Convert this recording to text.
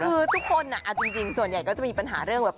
คือทุกคนอ่ะจริงส่วนใหญ่จะมีปัญหาเรื่องเหมือน